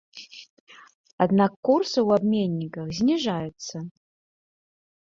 Аднак курсы ў абменніках зніжаюцца.